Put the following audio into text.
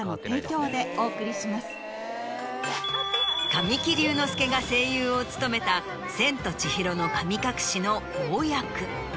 神木隆之介が声優を務めた『千と千尋の神隠し』の坊役。